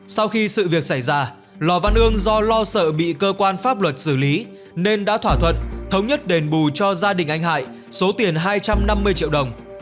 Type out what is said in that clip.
sau khi sự việc xảy ra lò văn ương do lo sợ bị cơ quan pháp luật xử lý nên đã thỏa thuận thống nhất đền bù cho gia đình anh hải số tiền hai trăm năm mươi triệu đồng